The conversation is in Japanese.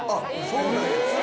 そうなんです。